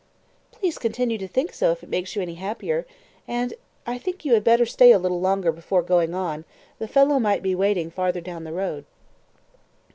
"Please continue to think so if it makes you any happier; and I think you had better stay a little longer before going on the fellow might be waiting farther down the road."